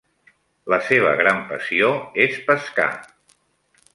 La seva gran passió és pescar.